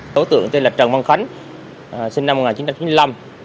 đối tượng tên là trần văn khánh sinh năm một nghìn chín trăm chín mươi năm